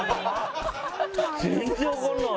全然わからない。